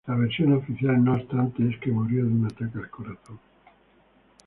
La versión oficial no obstante, es que murió de un ataque al corazón.